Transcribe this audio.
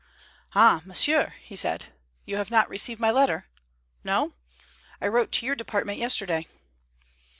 "Ah, monsieur," he said, "you have not received my letter? No? I wrote to your department yesterday."